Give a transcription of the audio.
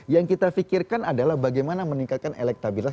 yang kita pikirkan adalah bagaimana meningkatkan elektabilitas